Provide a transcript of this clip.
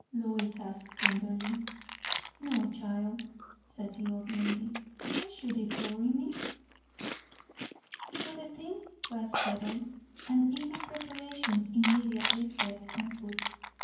Lois asked tenderly. "No, child," said the old lady; "why should it worry me?" So the thing was settled, and eager preparations immediately set on foot.